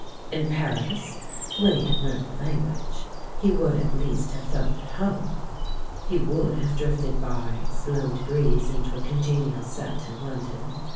In Paris, when he had learnt the lan guage, he would at least have felt at home; he would have drifted by slow degrees into a con genial set in London.